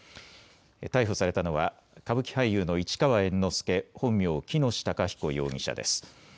逮捕されたのは歌舞伎俳優の市川猿之助、本名、喜熨斗孝彦容疑者です。